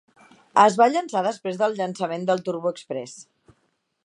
Es va llançar després del llançament del TurboExpress.